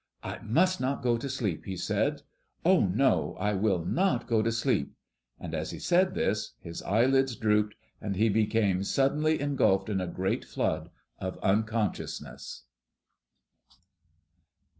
"I must not go to sleep," he said. "Oh, no, I will not go to sleep;" and as he said this, his eyelids drooped, and he became suddenly engulfed in a great flood of unconsciousness.